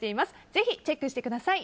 是非チェックしてください。